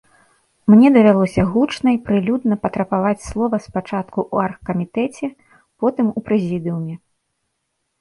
Мне давялося гучна і прылюдна патрабаваць слова спачатку ў аргкамітэце, потым у прэзідыуме.